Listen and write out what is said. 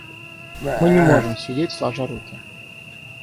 Мы не можем сидеть сложа руки.